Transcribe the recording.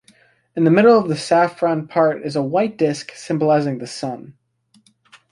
In the middle of the saffron part is a white disc symbolizing the sun.